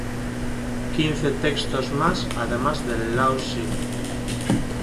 Quince textos más, además del "Lao zi".